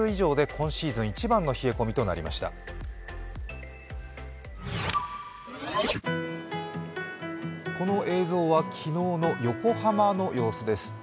この映像は昨日の横浜の様子です。